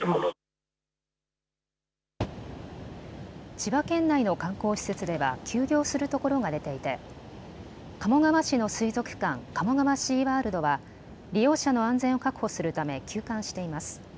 千葉県内の観光施設では休業するところが出ていて鴨川市の水族館、鴨川シーワールドは利用者の安全を確保するため休館しています。